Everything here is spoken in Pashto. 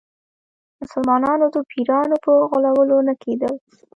مسلمانانو د پیرانو په غولولو نه کېدل.